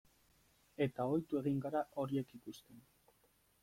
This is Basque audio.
Eta ohitu egin gara horiek ikusten.